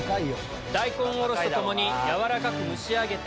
大根おろしと共に軟らかく蒸し上げて。